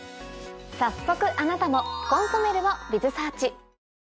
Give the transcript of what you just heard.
早速あなたも「コンソメる」を ｂｉｚｓｅａｒｃｈ。